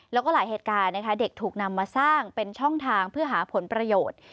แล้วก็หลายเหตุการณ์นะคะเด็กถูกนำมาสร้างเป็นช่องทางเพื่อหาผลประโยชน์